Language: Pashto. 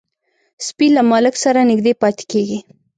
سپي له مالک سره نږدې پاتې کېږي.